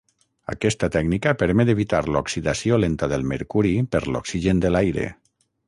Aquesta tècnica permet evitar l'oxidació lenta del mercuri per l'oxigen de l'aire.